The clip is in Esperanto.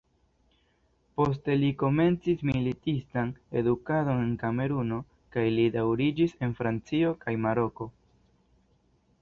Poste li komencis militistan edukadon en Kameruno kaj li daŭrigis en Francio kaj Maroko.